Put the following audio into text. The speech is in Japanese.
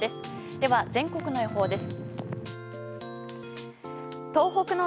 では、全国の予報です。